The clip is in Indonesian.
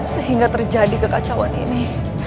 sehingga terjadi kekacauan ini